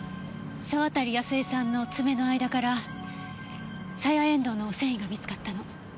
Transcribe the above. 沢渡やすえさんの爪の間からさやえんどうの繊維が見つかったの。